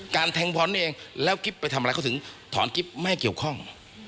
แทงบอลนี่เองแล้วกิ๊บไปทำอะไรเขาถึงถอนกิ๊บไม่ให้เกี่ยวข้อง